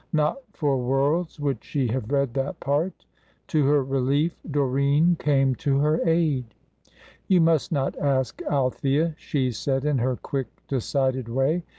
Not for worlds would she have read that part. To her relief, Doreen came to her aid. "You must not ask Althea," she said, in her quick, decided way.